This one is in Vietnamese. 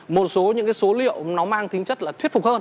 một số những cái số liệu nó mang tính chất là thuyết phục hơn